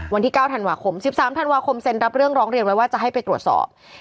วันที่๙ธันวาคม๑๓ธันวาคมเซ็นรับเรื่องร้องเรียนไว้ว่าจะให้ไปตรวจสอบ